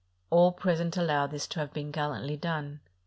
All present allowed this to have been gallantly done.